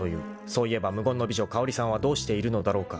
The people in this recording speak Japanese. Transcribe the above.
［そういえば無言の美女香織さんはどうしているのだろうか］